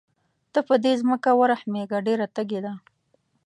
ته په دې ځمکه ورحمېږه ډېره تږې ده.